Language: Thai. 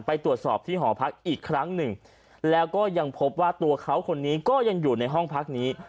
ไปตรวจสอบที่หอพักอีกครั้งหนึ่งแล้วก็ยังพบว่าตัวเขาคนนี้ก็ยังอยู่ในห้องพักนี้